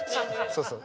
そうそう